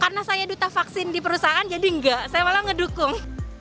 karena saya duta vaksin di perusahaan jadi nggak saya malah ngedukung